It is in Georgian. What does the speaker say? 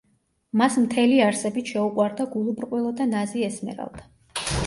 მას მთელი არსებით შეუყვარდა გულუბრყვილო და ნაზი ესმერალდა.